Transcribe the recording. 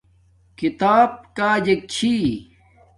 کتاب کاجک چھی